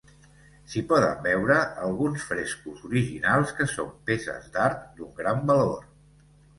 S'hi poden veure alguns frescos originals que són peces d'art d'un gran valor.